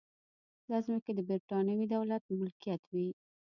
دا ځمکې د برېټانوي دولت ملکیت وې.